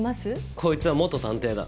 こいつは元探偵だ。